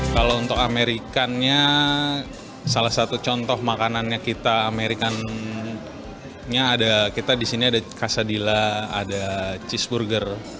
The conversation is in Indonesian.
kalau untuk amerikannya salah satu contoh makanannya kita amerikannya ada kita disini ada kasadila ada cheeseburger